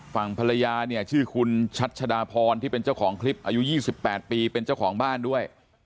ฝั่งภรรยาเนี่ยชื่อคุณชัชดาพรที่เป็นเจ้าของคลิปอายุ๒๘ปีเป็นเจ้าของบ้านด้วย